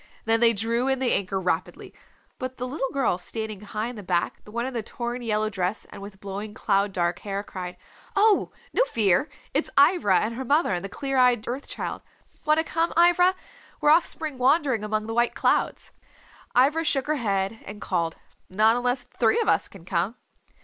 Then they drew in the anchor rapidly. But the little girl sitting high in the back, the one in the torn yellow dress and with blowing cloud dark hair, cried, "Oh, no fear, it's Ivra and her mother and the clear eyed Earth Child. Want to come, Ivra? We're off spring wandering among the white clouds." Ivra shook her head and called, "Not unless three of us can come."